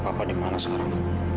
papa di mana sekarang